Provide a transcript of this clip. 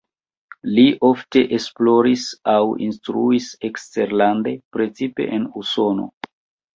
Li ofte esploris aŭ instruis eksterlande, precipe en Usono.